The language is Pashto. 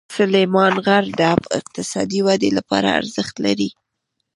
سلیمان غر د اقتصادي ودې لپاره ارزښت لري.